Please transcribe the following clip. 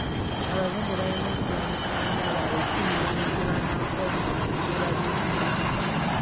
Abazadde balina okulambika abaana baabwe ki mirimu gye banaakola mu biseera by'omu maaso.